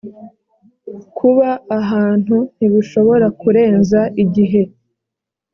kuba ahantu ntibishobora kurenza igihe